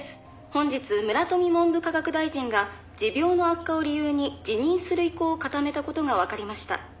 「本日村富文部科学大臣が持病の悪化を理由に辞任する意向を固めた事がわかりました」